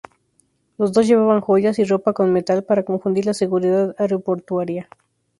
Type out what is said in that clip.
Los dos llevaban joyas y ropa con metal para confundir la seguridad aeroportuaria.